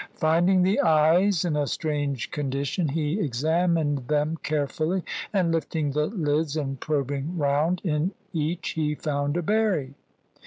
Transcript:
Finding the eyes in a strange condition, he examined them carefully, and, lifting the lids and probing round, in each he found a berry.